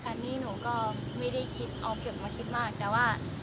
อันนี้หนูก็ไม่ได้คิดเอาเก็บมาคิดมากแต่ว่า